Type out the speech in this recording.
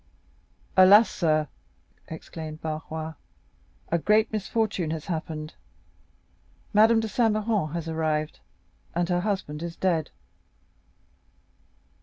"Alas, sir," exclaimed Barrois, "a great misfortune has happened. Madame de Saint Méran has arrived, and her husband is dead!"